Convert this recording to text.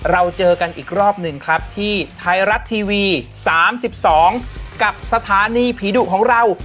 เราเจอกันอีกรอบหนึ่งครับที่ไทยรัฐทีวี๓๒กับสถานีผีดุของเรา